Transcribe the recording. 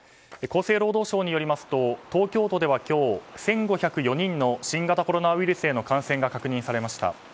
厚生労働省によりますと東京都では今日１５０４人の新型コロナウイルスへの感染が確認されました。